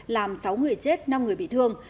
làm sáu người chết năm người bị thương